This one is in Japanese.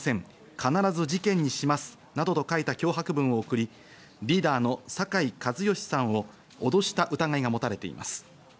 必ず事件にしますなどと書いた脅迫文を送り、リーダーの酒井一圭さんを脅した疑いが持たれています。